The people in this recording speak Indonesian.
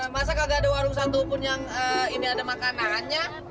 masa kagak ada warung satupun yang ini ada makanannya